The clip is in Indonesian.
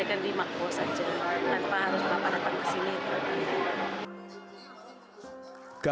tanpa harus bapak datang ke sini